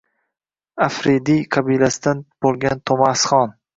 Afridiy qabilasidan bo’lgan To’masxon